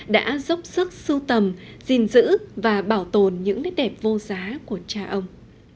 đã dốc sức sưu tầm gìn giữ và bảo tồn những nét đẹp vô giá của cha ông